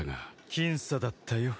僅差だったよ。